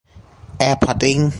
แอร์พอร์ตลิงก์